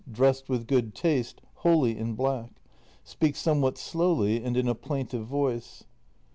Dressed with good taste, wholly in black. Speaks somewhat slowly and in a plaintive voice.